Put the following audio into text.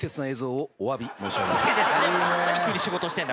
何急に仕事してんだ？